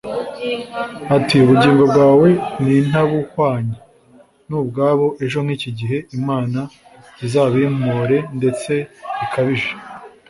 ati “Ubugingo bwawe nintabuhwanya n’ubwabo ejo nk’iki gihe, imana zizabimpore ndetse bikabije”